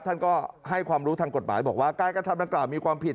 ท่านก็ให้ความรู้ทางกฎหมายบอกว่าการกระทำดังกล่าวมีความผิด